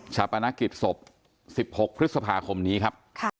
ปนกิจศพ๑๖พฤษภาคมนี้ครับ